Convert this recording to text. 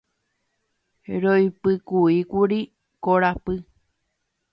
Roipykúikuri korapy.